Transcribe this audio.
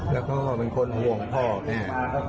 แล้วก็เป็นคนห่วงพ่อแม่